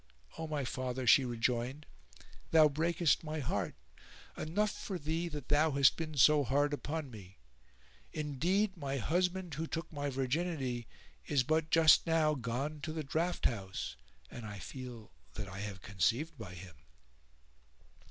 "O my father," she rejoined, "thou breakest my heart; enough for thee that thou hast been so hard upon me! Indeed my husband who took my virginity is but just now gone to the draught house and I feel that I have conceived by him."